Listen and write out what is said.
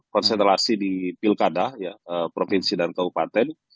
konsentrasi di pilkada provinsi dan kabupaten